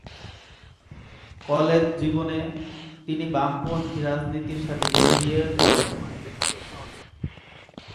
College জীবনে তিনি বামপন্থী রাজনীতির সাথে জড়িয়ে পড়েন।